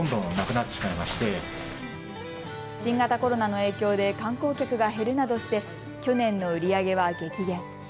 新型コロナの影響で観光客が減るなどして去年の売り上げは激減。